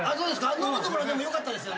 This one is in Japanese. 飲むところよかったですよね？